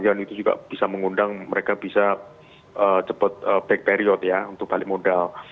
kemudian itu juga bisa mengundang mereka bisa cepat back period ya untuk balik modal